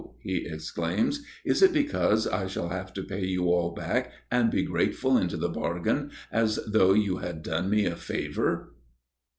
he exclaims. "Is it because I shall have to pay you all back and be grateful into the bargain, as though you had done me a favor?"